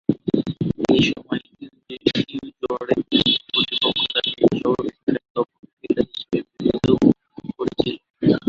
ঐ সময়ে উইজডেন কর্তৃপক্ষ তাকে সর্বাপেক্ষা দক্ষ ফিল্ডার হিসেবে বিবেচিত করেছিল।